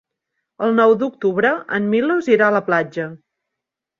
El nou d'octubre en Milos irà a la platja.